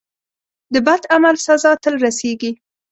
د بد عمل سزا تل رسیږي.